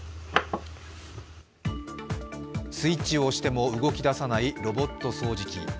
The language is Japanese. スイッチを押しても動き出さないロボット掃除機。